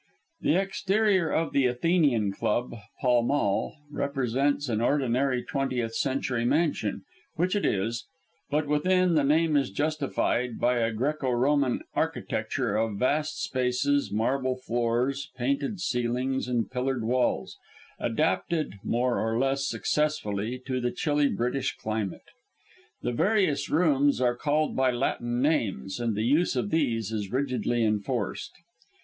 The exterior of The Athenian Club, Pall Mall, represents an ordinary twentieth century mansion, which it is; but within, the name is justified by a Græco Roman architecture of vast spaces, marble floors, painted ceilings, and pillared walls, adapted, more or less successfully, to the chilly British climate. The various rooms are called by Latin names, and the use of these is rigidly enforced.